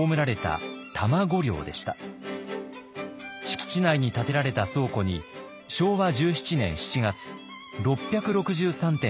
敷地内に建てられた倉庫に昭和１７年７月６６３点が移送。